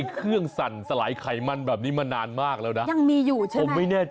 เครื่องสัตว์ไก่มันกับเขาไม่เกี่ยวกันเลย